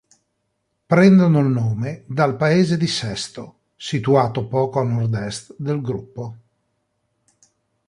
Prendono il nome dal paese di Sesto, situato poco a nord-est del gruppo.